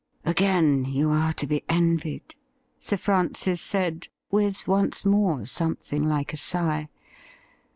' Again you are to be envied,' Sir Francis said, with once more something like a sigh.